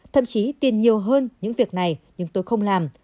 thậm chí tiền nhiều hơn những việc này nhưng tôi không làm